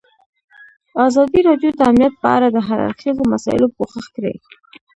ازادي راډیو د امنیت په اړه د هر اړخیزو مسایلو پوښښ کړی.